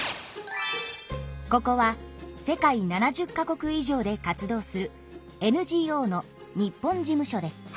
ここは世界７０か国以上で活動するＮＧＯの日本事務所です。